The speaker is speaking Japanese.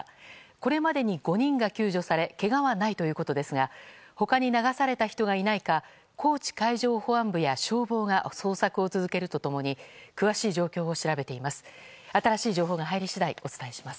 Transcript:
これまでに５人が救助されけがはないということですが他に流された人がいないか高知海上保安部や消防が捜索を続けると共に詳しい状況を調べています。